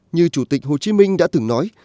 như chủ tịch hồ chí minh đã từng nói